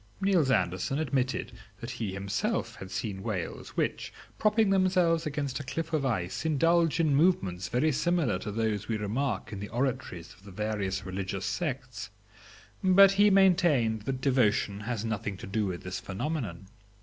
Niels Andersen admitted that he had himself seen whales which, propping themselves against a cliff of ice, indulged in movements very similar to those we remark in the oratories of the various religious sects, but he maintained that devotion has nothing to do with this phænomenon.